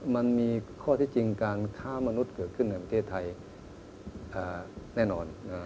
มันมีข้อที่จริงการค้ามนุษย์เกิดขึ้นในประเทศไทยแน่นอน